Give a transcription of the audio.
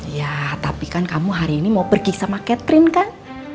ya tapi kan kamu hari ini mau pergi sama catherine kan